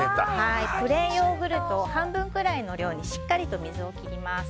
プレーンヨーグルトを半分ぐらいの量にしっかりと水を切ります。